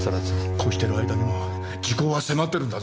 こうしてる間にも時効は迫ってるんだぞ！